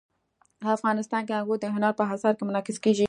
افغانستان کې انګور د هنر په اثار کې منعکس کېږي.